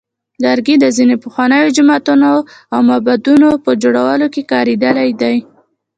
لرګي د ځینو پخوانیو جوماتونو او معبدونو په جوړولو کې کارېدلی دی.